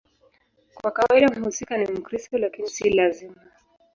Kwa kawaida mhusika ni Mkristo, lakini si lazima.